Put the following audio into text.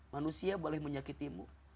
manusia boleh menyakitimu